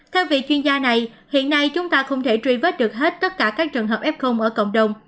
theo vị chuyên gia này hiện nay chúng ta không thể truy vết được hết tất cả các trường hợp f ở cộng đồng